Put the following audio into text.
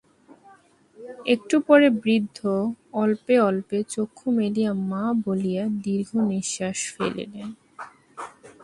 একটু পরে বৃদ্ধ অল্পে অল্পে চক্ষু মেলিয়া মা বলিয়া দীর্ঘনিশ্বাস ফেলিলেন।